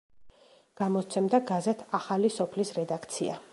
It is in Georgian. გამოსცემდა გაზეთ „ახალი სოფლის“ რედაქცია.